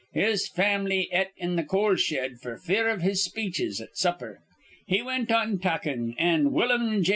His fam'ly et in th' coal shed f'r fear iv his speeches at supper. He wint on talkin', and Willum J.